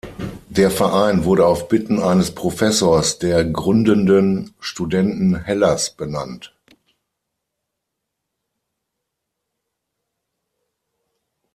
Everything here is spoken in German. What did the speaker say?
Der Verein wurde auf Bitten eines Professors der gründenden Studenten Hellas benannt.